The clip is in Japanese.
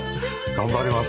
頑張ります。